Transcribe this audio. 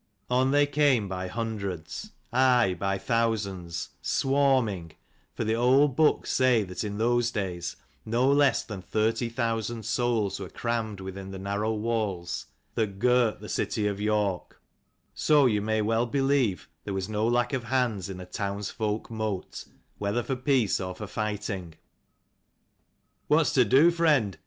246 On they came by hundreds; aye, by thousands, swarming : for the old books say that in those days no less than thirty thousand souls were crammed within the narrow walls that girt the city of York ; so you may well believe there was no lack of hands in a townsfolk mote, whether for peace or for righting. " What's to do, friend